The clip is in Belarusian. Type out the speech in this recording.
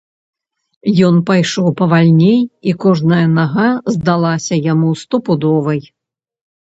Ён пайшоў павальней, і кожная нага здалася яму стопудовай.